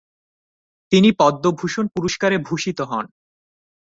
তিনি পদ্মভূষণ পুরস্কারে ভূষিত হন।